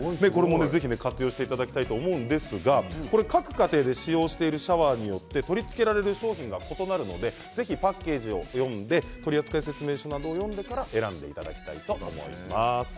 各家庭で使用しているシャワーによって取り付けられる商品が異なるのでパッケージを読んで取扱説明書などを読んでから選んでいただきたいと思います。